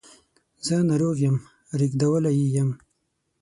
زه ناروغ یم ریږدولی یې یم